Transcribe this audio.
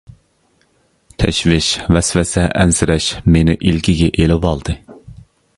تەشۋىش، ۋەسۋەسە، ئەنسىرەش مېنى ئىلكىگە ئېلىۋالدى.